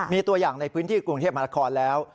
มีตัวอย่างในพื้นที่กรุงเทพมหานครแล้ว